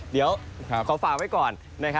เดี๋ยวขอฝากไว้ก่อน